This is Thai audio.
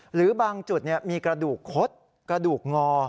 หรือบางจุดมีกระดูกคดกระดูกงอ